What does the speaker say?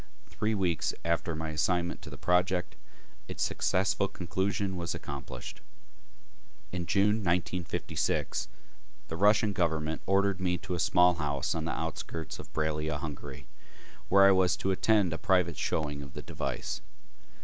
Three weeks after my assignment to the project, its successful conclusion was accomplished. In June 1956, the Russian government ordered me to a small house on the outskirts of Braila, Hungary, where I was to attend a private showing of the device.